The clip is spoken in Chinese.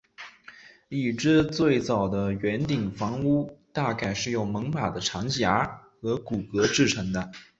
已知最早的圆顶房屋大概是用猛犸的长牙和骨骼制成的。